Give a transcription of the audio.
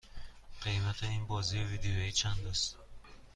قیمت این بازی ویدیویی چند است؟